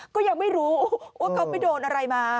ก็ยังไม่รู้ว่าเขาไปโดนอะไรมา